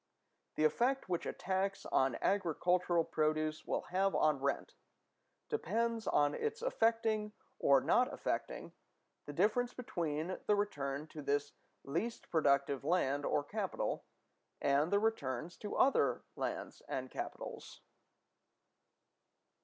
The effect which a tax on agricultural produce will have on rent depends on its affecting or not affecting the difference between the return to this least productive land or capital and the returns to other lands and capitals.